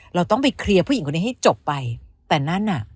เราต้องไปเคลียร์ผู้หญิงคนนี้ให้จบไปแต่นั่นน่ะ